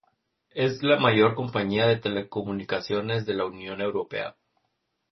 Es la mayor compañía de telecomunicaciones de la Unión Europea.